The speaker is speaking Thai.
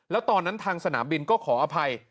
แล้วตอนนั้นทางสนามบินก็ขออภัย